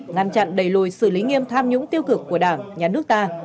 ngăn chặn đầy lùi sự lý nghiêm tham nhũng tiêu cực của đảng nhà nước ta